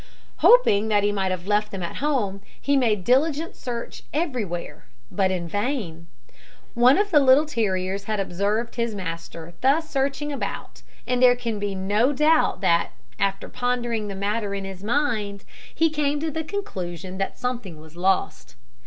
Hoping that he might have left them at home, he made diligent search everywhere, but in vain. One of the little terriers had observed his master thus searching about, and there can be no doubt that, after pondering the matter in his mind, he came to the conclusion that something was lost.